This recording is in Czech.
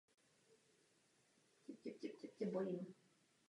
Kostel je v rámci areálu kláštera chráněn jako kulturní památka České republiky.